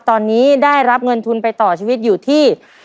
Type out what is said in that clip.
ตอนนี้ได้รับเงินทุนไปต่อชีวิตอยู่ที่